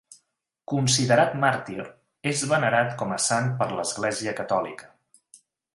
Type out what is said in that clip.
Considerat màrtir, és venerat com a sant per l'Església catòlica.